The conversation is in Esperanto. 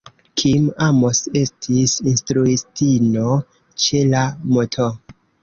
Kim Amos estis instruistino ĉe la "Mt.